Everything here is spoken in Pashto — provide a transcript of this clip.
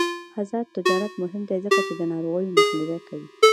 آزاد تجارت مهم دی ځکه چې د ناروغیو مخنیوی کوي.